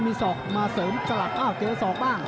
มีศอกมาเสริมสลับอ้าวเจอศอกบ้าง